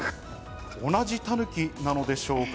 同じタヌキなのでしょうか？